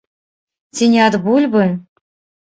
Ці не ад бульбы?